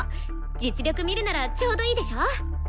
実力見るならちょうどいいでしょ？